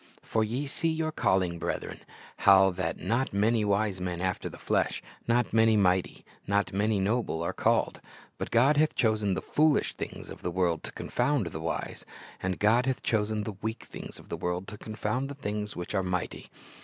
"For ye see your calling, brethren, how that not many wise men after the flesh, not many mighty, not many noble, are called; but God hath chosen the foolish things of the world to confound the wise; and God hath chosen the weak things of the world to confound the things which are mighty.